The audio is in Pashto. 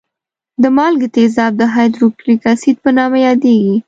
د مالګي تیزاب د هایدروکلوریک اسید په نامه یادېږي.